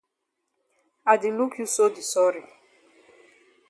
I di look you so di sorry.